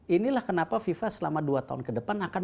inilah kenapa viva selama dua tahun kedatangan